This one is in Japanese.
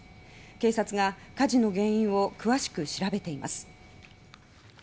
警察が火事の原因を詳しく調べています。